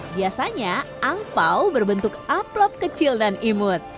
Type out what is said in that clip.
biasanya angpau berbentuk aplop kecil dan imut